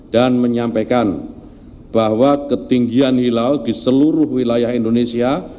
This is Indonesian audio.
dan menyampaikan bahwa ketinggian hilal di seluruh wilayah indonesia